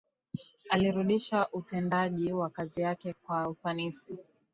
alirudisha utendaji wa kazi yake kwa ufanisi